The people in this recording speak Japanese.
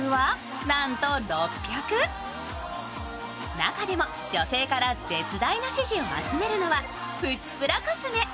中でも女性から絶大な支持を集めるのはプチプラコスメ。